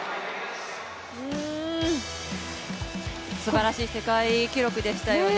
すばらしい世界記録でしたよね。